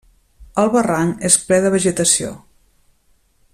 El barranc és ple de vegetació.